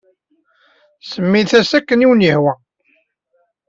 Semmit-as akken ay awen-yehwa.